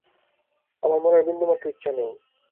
আমার মরার বিন্দুমাত্র ইচ্ছা নেই।